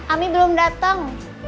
ami belum dateng